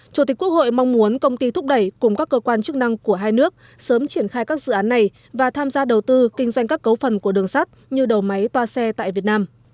chủ tịch quốc hội mong muốn công ty thúc đẩy cùng các cơ quan chức năng của hai nước sớm triển khai các dự án này và tham gia đầu tư kinh doanh các cấu phần của đường sắt như đầu máy toa xe tại việt nam